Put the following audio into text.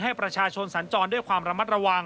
ให้ประชาชนสัญจรด้วยความระมัดระวัง